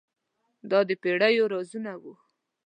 دا د پیړیو رازونه وو.